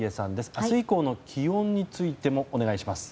明日以降の気温についてもお願いします。